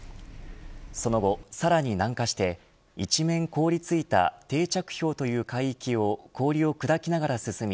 その後、さらに南下して一面凍りついた定着氷という海域を氷を砕きながら進み